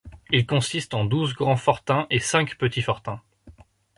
Il consiste en douze grands fortins et cinq petits fortins.